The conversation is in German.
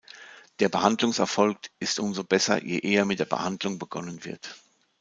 Der Behandlungserfolg ist umso besser, je eher mit der Behandlung begonnen wird.